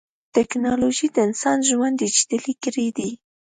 ټکنالوجي د انسان ژوند ډیجیټلي کړی دی.